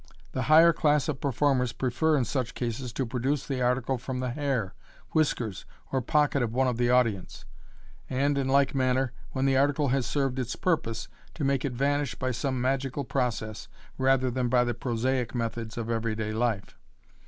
The higher class of performers prefer in such cases to produce the article from the hair, whiskers, or pocket of one of the audience j and in like manner, when the article has served its purpose, to make it vanish by some magical process, rather than by the prosaic methods of every day life.